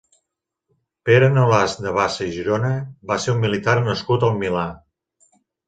Pere Nolasc de Bassa i Girona va ser un militar nascut al Milà.